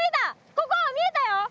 ここ見えたよ！